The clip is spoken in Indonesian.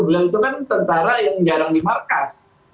beliau itu kan tentara yang jarang di markas